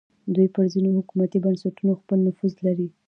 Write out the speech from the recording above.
دوی پر ځینو حکومتي بنسټونو خپل نفوذ لري